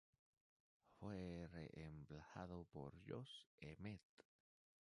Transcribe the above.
Fue reemplazado por Josh Emmett.